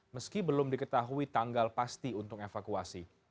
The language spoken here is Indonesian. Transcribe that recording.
meski belum diketahui tanggal pasti untuk evakuasi